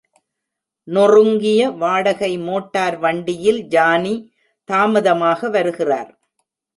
நொறுங்கிய வாடகை மோட்டார் வண்டியில் ஜானி தாமதமாக வருகிறார்.